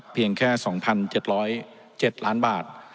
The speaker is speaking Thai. เพียงแค่๒๗๐๗ล้านบาท